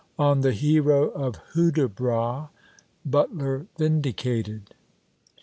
ON THE HERO OF HUDIBRAS; BUTLER VINDICATED.